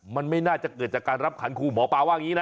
มันไม่น่าจะเกิดจากการรับขันครูหมอปลาว่าอย่างนี้นะ